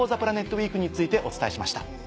ウィークについてお伝えしました。